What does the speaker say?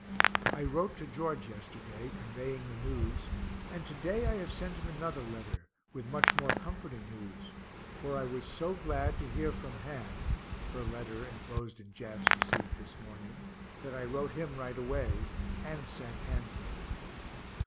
I wrote to George yesterday, conveying the news and to day I have sent him another letter, with much more comforting news, for I was so glad to hear from Han (her letter enclosed in Jeff's received this morning) that I wrote him right away, and sent Han's letter.